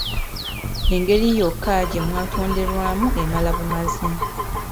Engeri yokka gye mwatonderwamu emala bumazi.